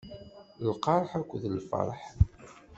I lqerḥ akked lferḥ.